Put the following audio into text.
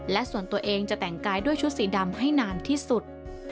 และส่วนตัวเองจะแต่งกายด้วยชุดสีดำให้นานที่สุด